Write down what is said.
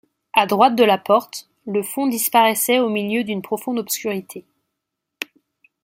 À droite de la porte, le fond disparaissait au milieu d’une profonde obscurité.